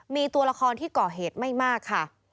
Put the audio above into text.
มีตัวละครที่ก่อเหตุไม่มากค่ะ